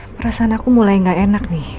perasaan aku mulai gak enak nih